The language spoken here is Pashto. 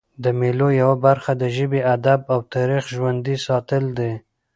د مېلو یوه برخه د ژبي، ادب او تاریخ ژوندي ساتل دي.